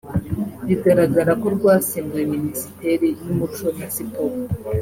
bigaragara ko rwasimbuye Minisiteri y’Umuco na Siporo